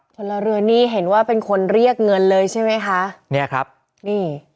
พลเรือนนี่เห็นว่าเป็นคนเรียกเงินเลยใช่ไหมคะเนี่ยครับนี่